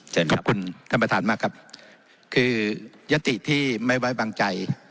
เชิญครับขอบคุณท่านประทานมากครับคือยศติที่ไม่ไว้บังใจ